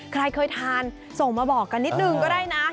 ใครเคยทานส่งมาบอกกันนิดนึงก็ได้นะ